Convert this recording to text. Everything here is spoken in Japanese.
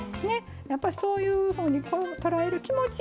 やっぱりそういうふうに捉える気持ち